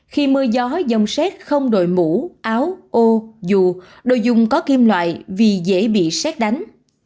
khi mưa gió dông xét không đổi mũ áo ô dù đồ dùng có kim loại vì dễ bị xét đánh